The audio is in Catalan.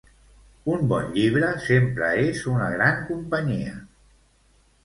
Un bon llibre sempre és una gran companyia.